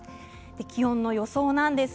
気温の予想です。